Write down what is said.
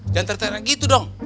jangan tertarik gitu dong